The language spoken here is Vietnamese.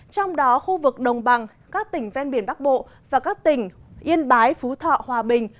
trong đó khu vực đồng bằng các tỉnh ven biển bắc bộ và các tỉnh yên bái phú thọ hòa bình